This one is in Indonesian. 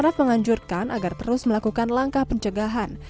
dr saraf menganjurkan agar terus melakukan langkah pencegahan